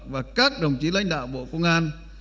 và các đồng chí lãnh đạo bộ công an